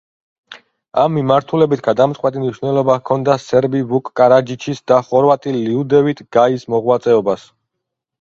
ამ მიმართულებით გადამწყვეტი მნიშვნელობა ჰქონდა სერბი ვუკ კარაჯიჩის და ხორვატი ლიუდევიტ გაის მოღვაწეობას.